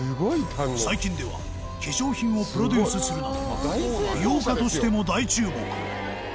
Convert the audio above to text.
最近では化粧品をプロデュースするなど美容家としても大注目